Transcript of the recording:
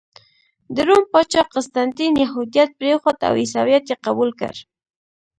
د روم پاچا قسطنطین یهودیت پرېښود او عیسویت یې قبول کړ.